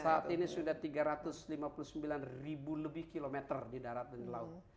saat ini sudah tiga ratus lima puluh sembilan ribu lebih kilometer di darat dan di laut